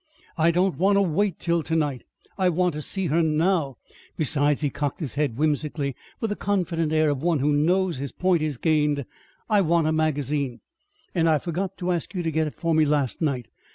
"I don't want to wait till to night. I want to see her now. Besides," he cocked his head whimsically with the confident air of one who knows his point is gained, "I want a magazine, and I forgot to ask you to get it for me last night.